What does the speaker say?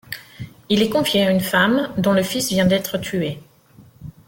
Il est confié à une femme dont le fils vient d'être tué.